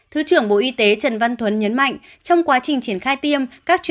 thứ trưởng bộ y tế trần văn thuấn nhấn mạnh trong quá trình triển khai tiêm